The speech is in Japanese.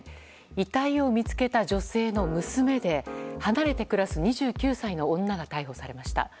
遺体を見つけた女性の娘で離れて暮らす２９歳の女が逮捕されました。